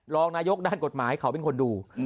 รองนายกด้านกฎหมายเขาเป็นคนดู